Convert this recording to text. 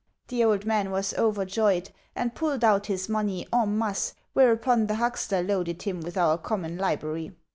The old man was overjoyed, and pulled out his money en masse; whereupon the huckster loaded him with our common library.